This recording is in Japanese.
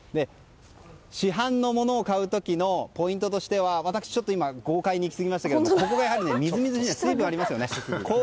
市販のものを買う時のポイントとしては私、今豪快にいきすぎましたがやはりここがみずみずしい水分がありますよね。